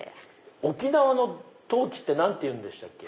沖縄の陶器って何ていうんでしたっけ？